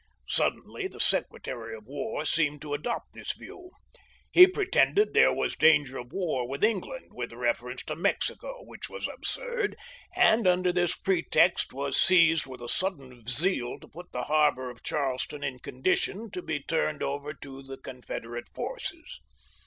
Suddenly the Secretary of War seemed to adopt this view. He pretended there was danger of war with Eng land, with reference to Mex ico, which was absurd ; and under this pretext was seized with a sudden zeal to put the harbor of Charleston in con dition, ŌĆö to be turned over to the Confederate forces.